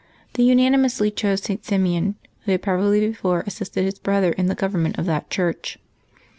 They unanimously chose St. Simeon, who had probably before assisted his brother in the government of that Church.